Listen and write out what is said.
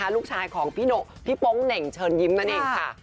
ลูกชายของพี่โป๊งเหน่งเชิญยิ้มนั่นเองค่ะ